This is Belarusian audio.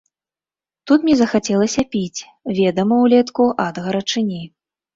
Тут мне захацелася піць, ведама, улетку ад гарачыні.